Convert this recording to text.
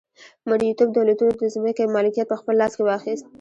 مرئیتوب دولتونو د ځمکې مالکیت په خپل لاس کې واخیست.